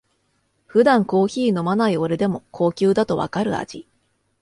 普段コーヒー飲まない俺でも高級だとわかる味